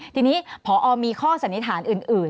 ทีนี้พอมีข้อสันนิษฐานอื่น